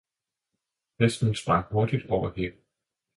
Hesten sprang hurtigt over hækken.